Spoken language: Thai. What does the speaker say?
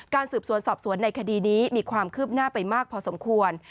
สืบสวนสอบสวนในคดีนี้มีความคืบหน้าไปมากพอสมควร